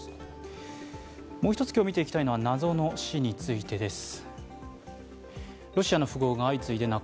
もう一つ今日見ていきたいのは、謎の死についてです。